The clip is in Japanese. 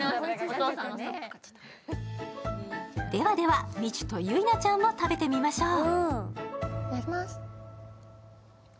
ではでは、みちゅとゆいなちゃんも食べて見ましょう。